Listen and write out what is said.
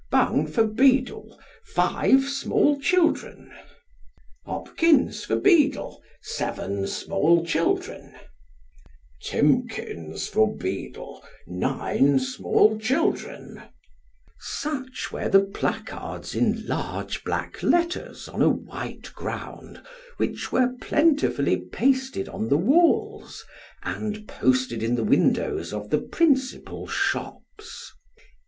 " Bung for Beadle. Five small children !"" Hopkins for Beadle. Seven small children !!"" Timkins for Beadle. Nino small children !!!" Such were the placards in large black letters on a white ground, which wore plentifully pasted on the walls, and posted in the windows of the principal shops.